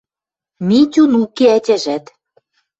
МИТЮН УКЕ ӒТЯЖӒТ